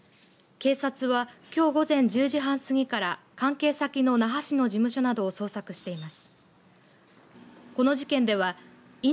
警察はきょう午前１０時半過ぎから関係先の那覇市の事務所などを捜索しています。